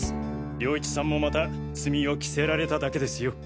涼一さんもまた罪を着せられただけですよ。